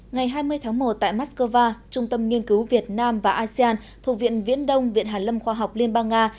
ngày hai mươi tháng một tại moscow trung tâm nghiên cứu việt nam và asean thuộc viện viễn đông viện hàn lâm khoa học liên bang nga